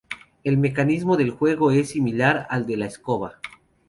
El mecanismo del juego es similar al juego de la escoba.